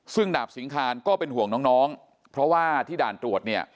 ซึ่งดาบสิงคารก็เป็นห่วงน้องเพราะว่าที่ด่านตรวจเนี่ย